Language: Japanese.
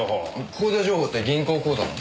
口座情報って銀行口座の？